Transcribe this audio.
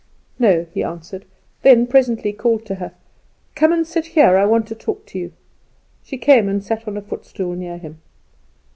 "No," he answered; then presently called to her, "Come and sit here; I want to talk to you." She came and sat on a footstool near him.